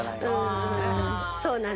そうなんだ。